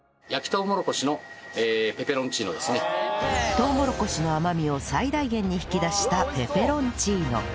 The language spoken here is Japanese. とうもろこしの甘みを最大限に引き出したペペロンチーノ